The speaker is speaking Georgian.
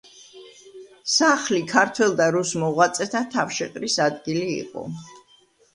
სახლი ქართველ და რუს მოღვაწეთა თავშეყრის ადგილი იყო.